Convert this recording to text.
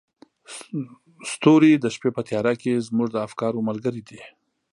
ستوري د شپې په تیاره کې زموږ د افکارو ملګري دي.